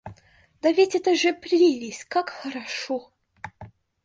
Да ведь это же прелесть как хорошо.